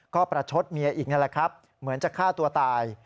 ก็ประชดเมียอีกนั่นแหละครับเหมือนจะฆ่าตัวตาย